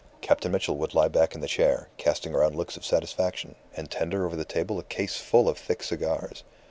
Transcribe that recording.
Captain Mitchell would lie back in the chair, casting around looks of satisfaction, and tender over the table a case full of thick cigars.